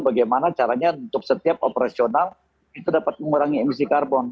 bagaimana caranya untuk setiap operasional itu dapat mengurangi emisi karbon